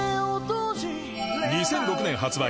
２００６年発売